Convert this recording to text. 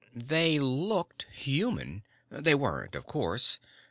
] They looked human. They weren't, of course.